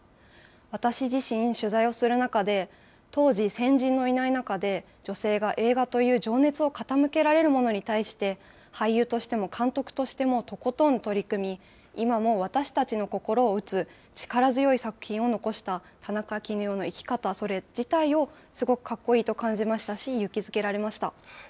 私自身、取材をする中で、当時、先人のいない中で、女性が映画という情熱を傾けられるものに対して、俳優としても監督としてもとことん取り組み、今も私たちの心を打つ、力強い作品を残した田中絹代の生き方それ自体をすごくかっこいいと感じましたし、勇気づけられました。